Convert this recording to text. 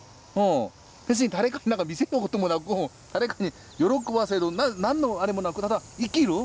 別に誰かに見せることもなく誰かに喜ばせる何のあれもなくただ生きる。